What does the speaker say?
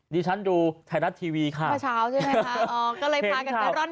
ดิฉันดูไทยรัฐทีวีค่ะเมื่อเช้าใช่ไหมคะอ๋อก็เลยพากันไปรอด